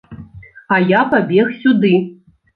А я пабег сюды.